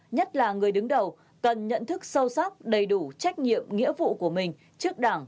người đứng đầu cần nhận thức sâu sắc đầy đủ trách nhiệm nghĩa vụ của mình trước đảng